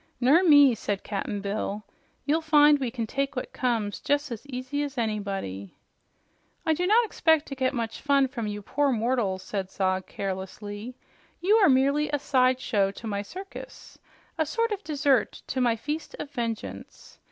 "Ner me," said Cap'n Bill. "You'll find we can take what comes jes' as easy as anybody." "I do not expect to get much from you poor mortals," said Zog carelessly. "You are merely a side show to my circus, a sort of dessert to my feast of vengeance.